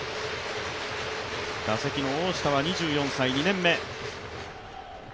打席の大下は２４歳、２年目。